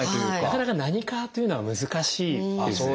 なかなか何科というのは難しいです。